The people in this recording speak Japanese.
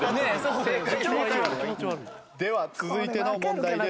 では続いての問題です。